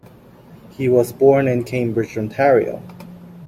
He was born in Cambridge, Ontario.